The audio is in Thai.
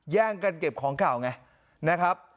แย่งกันเก็บของเก่าไงนะครับ